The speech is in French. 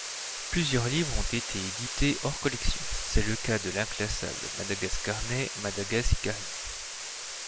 Plusieurs livres ont été édités hors-collection, c'est le cas de l'inclassable Madagascarnet - Madagasikarine.